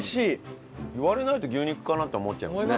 言われないと牛肉かな？って思っちゃいますね。